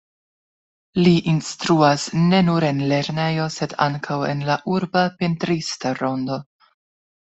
Li instruas ne nur en lernejo, sed ankaŭ en la urba pentrista rondo.